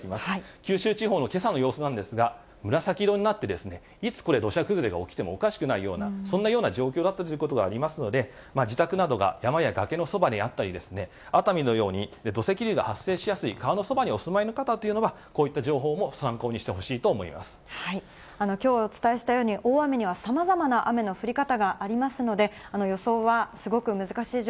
九州地方のけさの様子なんですが、紫色になって、いつこれ、土砂崩れが起きてもおかしくないような、そんなような状況だったということがありますので、自宅などが山や崖のそばにあったり、熱海のように、土石流が発生しやすい川のそばにお住まいの方というのは、こういった情報も参きょうお伝えしたように、大雨には様々な雨の降り方がありますので、予想はすごく難しい状